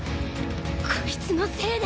こいつのせいで。